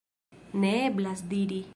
Ne eblas diri.